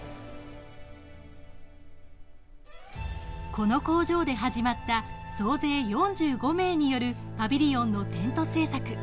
この工場で始まった総勢４５名によるパビリオンのテント制作。